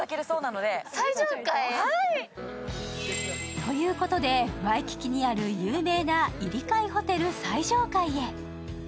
ということで、ワイキキにある有名なイリカイホテル最上階へ。